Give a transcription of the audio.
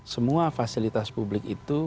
semua fasilitas publik itu